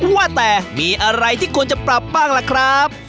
ว่าแต่มีอะไรที่ควรจะปรับบ้างล่ะครับ